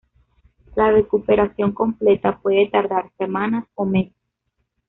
La recuperación completa puede tardar semanas o meses.